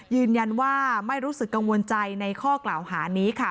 ยืนยันว่าไม่รู้สึกกังวลใจในข้อกล่าวหานี้ค่ะ